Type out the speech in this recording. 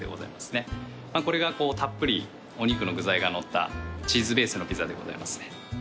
これがたっぷりお肉の具材が載ったチーズベースのピザでございますね。